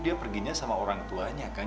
mas sama orang tuanya kan